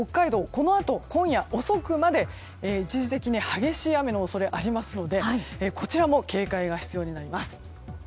このあと今夜遅くまで一時的に激しい雨の恐れがありますのでこちらも警戒が必要になります。